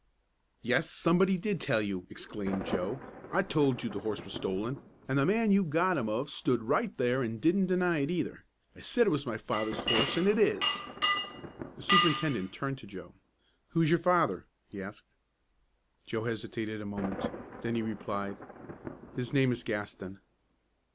"Yes, somebody did tell you!" exclaimed Joe. "I told you the horse was stolen, and the man you got him of stood right there an' didn't deny it, either! I said it was my father's horse, an' it is!" The superintendent turned to Joe. "Who is your father?" he asked. Joe hesitated a moment. Then he replied, "His name is Gaston."